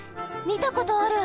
みたことある。